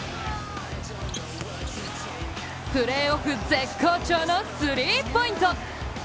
プレーオフ絶好調のスリーポイント。